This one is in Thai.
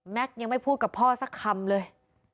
ยังไม่พูดกับพ่อสักคำเลย